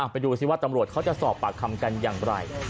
ไปดูซิว่าตำรวจเขาจะสอบปากคำกันอย่างไร